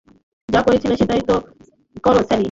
যা করছিলে সেটাই করো, স্যালি!